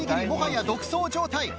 もはや独走状態。